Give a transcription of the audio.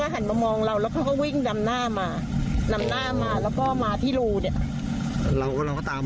มันก็จะกินเผ้ามาด้วยกัน